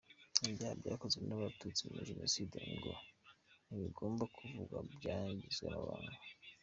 Ibyaha byakozwe n’Abatutsi muri genocide ngo ntibigomba kuvugwa; byagizwe amabanga!